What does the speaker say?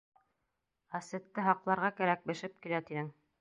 — Асетте һаҡларға кәрәк, бешеп килә, тинең.